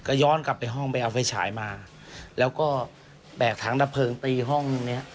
ก็ย้อนกลับไปห้องไปเอาไฟฉายมาแล้วก็แบกถังดับเพลิงตีห้องเนี้ย